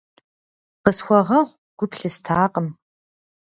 Къысхуэгъэгъу, гу плъыстакъым.